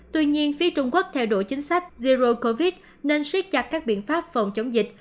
tuy nhiên phía trung quốc theo độ chính sách zero covid nên siết chặt các biện pháp phòng chống dịch